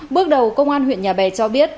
bước đầu công an huyện nhà bè cho biết